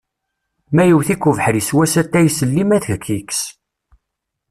Ma yewwet-ik ubeḥri sew-as atay s llim ad k-yekkes!